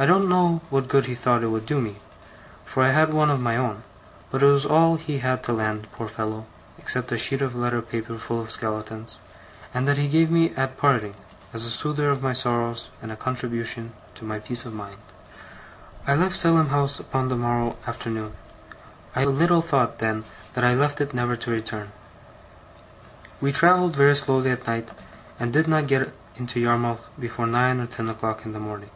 I don't know what good he thought it would do me, for I had one of my own: but it was all he had to lend, poor fellow, except a sheet of letter paper full of skeletons; and that he gave me at parting, as a soother of my sorrows and a contribution to my peace of mind. I left Salem House upon the morrow afternoon. I little thought then that I left it, never to return. We travelled very slowly all night, and did not get into Yarmouth before nine or ten o'clock in the morning.